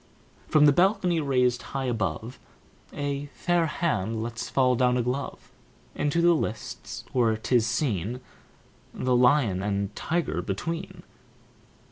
From the balcony raised high above A fair hand lets fall down a glove Into the lists, where 'tis seen The lion and tiger between.